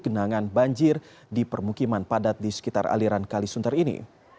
genangan banjir di permukiman padat di sekitar aliran kalisuntar ini